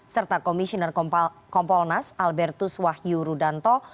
serta komisioner kompolnas albertus wahyu rudanto